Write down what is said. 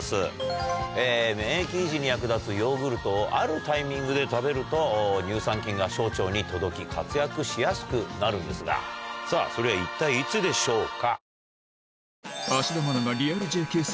免疫維持に役立つヨーグルトをあるタイミングで食べると乳酸菌が小腸に届き活躍しやすくなるんですがそれは一体いつでしょうか？